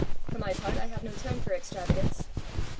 For my part I have no turn for extravagance."